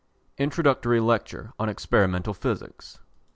Introductory Lecture on Experimental Physics.